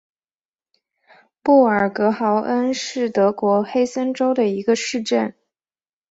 布尔格豪恩是德国黑森州的一个市镇。